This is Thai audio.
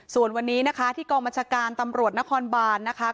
ส่วนวันนี้ที่กองบรรชการจมศนบาลเต็มไม้ใหม่